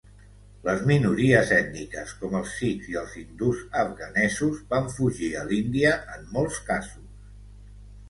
Les minories ètniques, com els sikhs i els hindús afganesos, van fugir a l'Índia en molts casos.